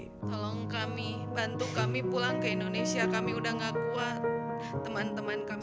tolong kami bantu kami pulang ke indonesia kami udah gak kuat